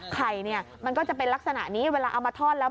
ไข่เนี่ยมันก็จะเป็นลักษณะนี้เวลาเอามาทอดแล้ว